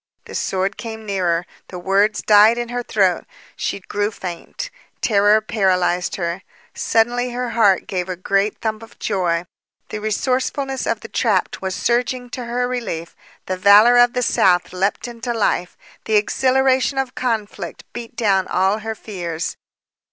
The sword came nearer. The words died in her throat. She grew faint. Terror paralyzed her. Suddenly, her heart gave a great thump of joy. The resourcefulness of the trapped was surging to her relief. The valor of the South leaped into life. The exhilaration of conflict beat down all her fears.